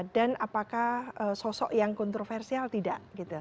dan apakah sosok yang kontroversial tidak